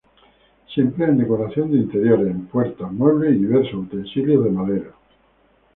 Se emplea en decoración de interiores, en puertas, muebles y diversos utensilios de madera.